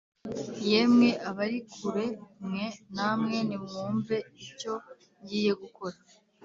Yemwe abari kure mwe namwe nimwumve icyo ngiye gukora